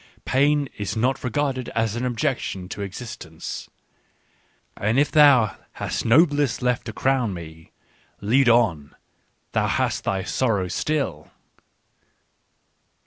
Pain is not re garded as an objection to existence: "And if thou hast no bliss now left to crown me — Lead on ! Thou hast thy Sorrow still."